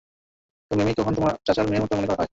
তো মিমি কখন তোর চাচার মেয়ের মতো মনে হয়।